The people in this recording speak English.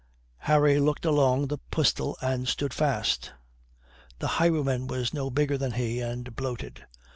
Harry looked along the pistol and stood fast. The highwayman was no bigger than he, and bloated.